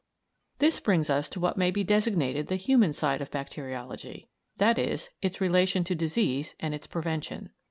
This brings us to what may be designated the human side of bacteriology, i.e. its relation to disease and its prevention.